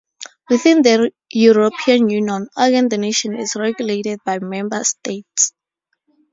Within the European Union, organ donation is regulated by member states.